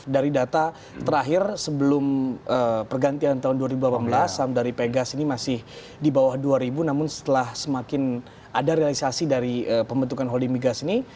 dari data terakhir sebelum pergantian tahun dua ribu delapan belas saham dari pegas ini masih di bawah dua ribu namun setelah semakin ada realisasi dari pembentukan holding migas ini